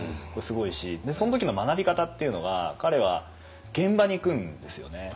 でその時の学び方っていうのが彼は現場に行くんですよね。